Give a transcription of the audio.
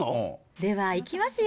では、いきますよ。